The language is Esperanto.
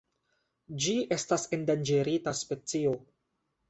Ĝi estas endanĝerita specio.